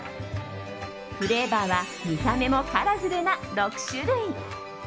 フレーバーは見た目もカラフルな６種類。